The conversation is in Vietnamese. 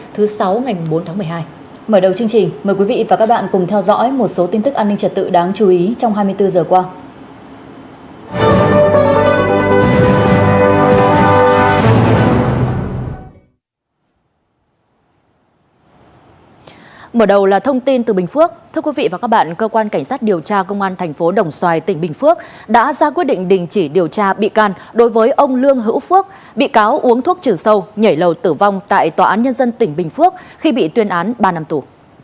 thưa quý vị và các bạn cơ quan cảnh sát điều tra công an thành phố đồng xoài tỉnh bình phước đã ra quyết định đình chỉ điều tra bị can đối với ông lương hữu phước bị cáo uống thuốc trừ sâu nhảy lầu tử vong tại tòa án nhân dân tỉnh bình phước khi bị tuyên án ba năm tù